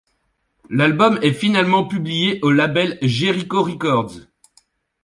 L'album est finalement publié au label Jericho Records.